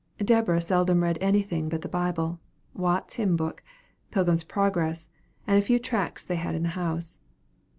Deborah seldom read anything but the Bible, Watts's Hymn Book, "Pilgrim's Progress," and a few tracts they had in the house.